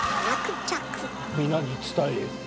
皆に伝えよ。